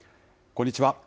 こんにちは。